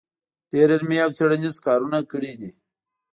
ډېر علمي او څېړنیز کارونه کړي دی